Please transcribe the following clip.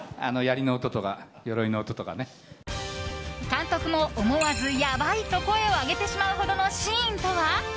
監督も思わず、やばいと声を上げてしまうほどのシーンとは。